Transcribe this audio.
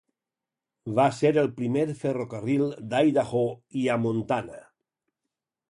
Va ser el primer ferrocarril d'Idaho i a Montana.